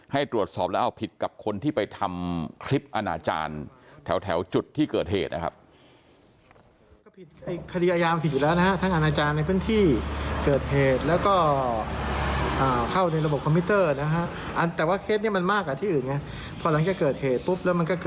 ให้ตรวจสอบแล้วเอาผิดกับคนที่ไปทำคลิปอนาจารย์แถวจุดที่เกิดเหตุนะครับ